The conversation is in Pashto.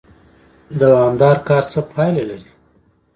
دوامدار کار څه پایله لري؟